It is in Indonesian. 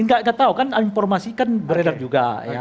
enggak tau kan informasi kan beredar juga